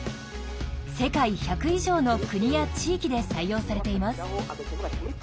世界１００以上の国や地域で採用されています。